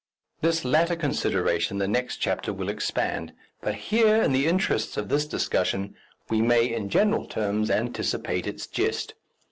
This latter consideration the next chapter will expand, but here, in the interests of this discussion, we may in general terms anticipate its gist.